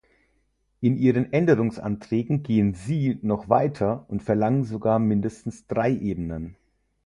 In Ihren Änderungsanträgen gehen Sie noch weiter und verlangen sogar mindestens drei Ebenen.